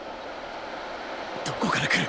どこから来る？